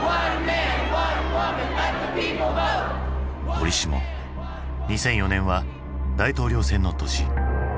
折しも２００４年は大統領選の年。